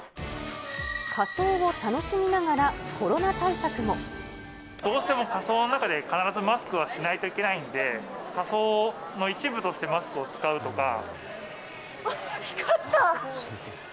仮装を楽しみながらコロナ対どうしても仮装の中で必ずマスクはしないといけないんで、仮装の一部としてマスクを使うとあっ、光った！